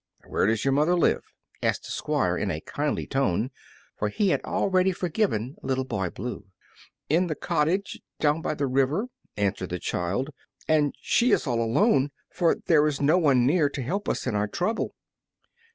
"Where does your mother live?" asked the Squire, in a kindly tone, for he had already forgiven Little Boy Blue. "In the cottage down by the river," answered the child; "and she is all alone, for there is no one near to help us in our trouble."